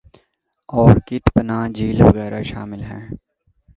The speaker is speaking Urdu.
اور کت پناہ جھیل وغیرہ شامل ہیں